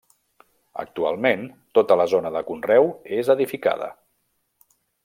Actualment tota la zona de conreu és edificada.